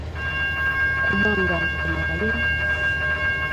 Kum àngaŋtɨ ma yeyn.